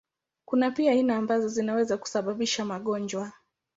Kuna pia aina ambazo zinaweza kusababisha magonjwa.